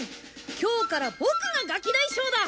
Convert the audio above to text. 今日からボクがガキ大将だ！